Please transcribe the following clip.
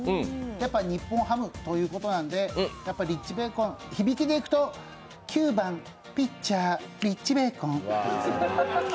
やっぱり日本ハムということでリッチベーコン、響きでいくと９番・ピッチャー、リッチベーコン。